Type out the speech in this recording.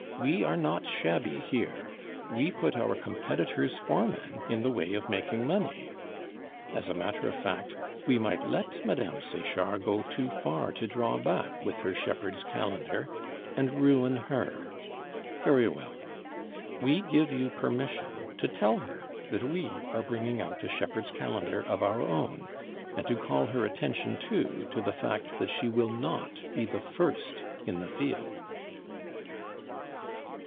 We are not shabby here; we put our competitor's foreman in the way of making money. As a matter of fact, we might let Mme. Sechard go too far to draw back with her Shepherd's Calendar, and ruin her; very well, we give you permission to tell her that we are bringing out a Shepherd's Calendar of our own, and to call her attention too to the fact that she will not be the first in the field."